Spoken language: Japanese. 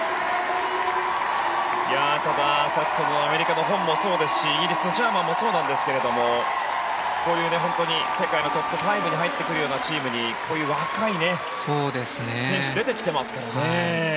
ただ、先ほどのアメリカのホンもそうですしイギリスのジャーマンもそうなんですがこういう世界のトップ５に入ってくるようなチームにこういう若い選手が出てきてますからね。